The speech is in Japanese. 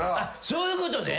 そういうことで？